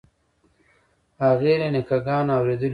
هغې له نیکه ګانو اورېدلي وو.